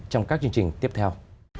trong các chương trình tiếp theo